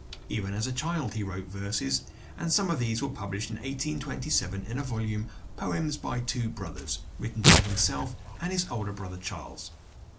Even as a child he wrote verses, and some of these were published in 1827 in a volume, "Poems by Two Brothers," written by himself and his elder brother Charles.